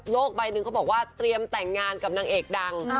ใบหนึ่งเขาบอกว่าเตรียมแต่งงานกับนางเอกดัง